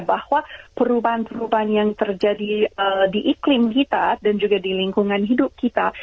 bahwa perubahan perubahan yang terjadi di iklim kita dan juga di lingkungan hidup kita